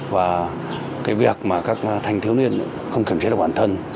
và cái việc mà các thành châu niên không kiểm trí được bản thân